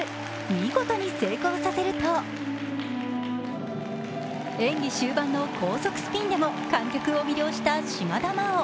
見事に成功させると演技終盤の高速スピンでも観客を魅了した島田麻央。